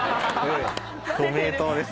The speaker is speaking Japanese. ご名答です。